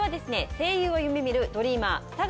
声優を夢見るドリーマー佐川